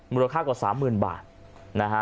มูลค่ากว่า๓๐๐๐๐บาท